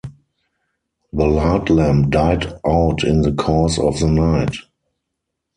The lard-lamp died out in the course of the night.